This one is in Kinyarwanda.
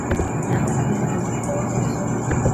naho ku mwaduko w' abazungu